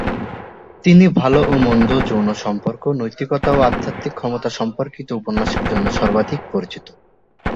তিনি ভালো ও মন্দ, যৌন সম্পর্ক, নৈতিকতা ও আধ্যাত্মিক ক্ষমতা সম্পর্কিত উপন্যাসের জন্য সর্বাধিক পরিচিত।